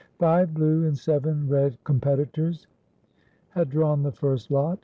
Five blue and seven red competitors had drawn the first lot.